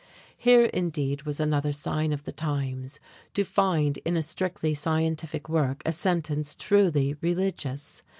Here indeed was another sign of the times, to find in a strictly scientific work a sentence truly religious!